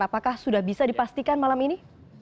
apakah sudah bisa dipastikan malam ini